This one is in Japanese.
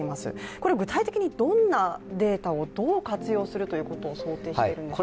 これ具体的にどんなデータをどう活用するということを想定しているんでしょう？